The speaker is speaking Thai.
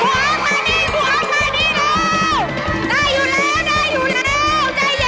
วางเทคหาย